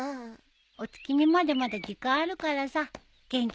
お月見までまだ時間あるからさ元気出しなよ。